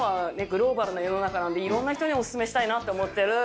グローバルな世の中なんでいろんな人にオススメしたいなって思ってる。